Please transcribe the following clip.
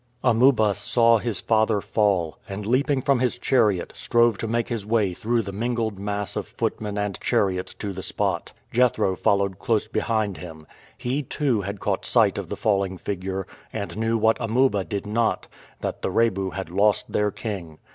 Amuba saw his father fall, and leaping from his chariot, strove to make his way through the mingled mass of footmen and chariots to the spot. Jethro followed close behind him. He, too, had caught sight of the falling figure, and knew what Amuba did not that the Rebu had lost their king.